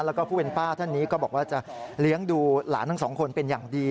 แล้วก็ผู้เป็นป้าท่านนี้ก็บอกว่าจะเลี้ยงดูหลานทั้งสองคนเป็นอย่างดี